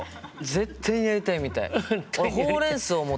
絶対にやりたいみたい。